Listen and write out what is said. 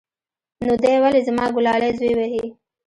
نو دى ولې زما گلالى زوى وهي.